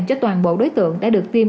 cho toàn bộ đối tượng đã được tiêm